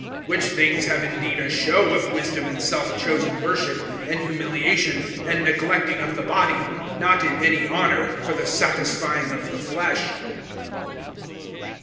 (23)Which things have indeed a show of wisdom in self chosen worship, and humiliation, and neglecting of the body, not in any honor, for the satisfying of the flesh.